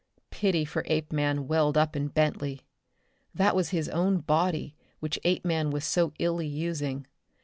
Pity for Apeman welled up in Bentley. That was his own body which Apeman was so illy using.